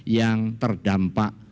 yang terdiri dari masyarakat indonesia